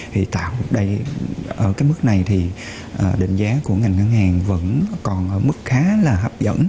thì tạo ra ở cái mức này thì định giá của ngành ngân hàng vẫn còn ở mức khá là hấp dẫn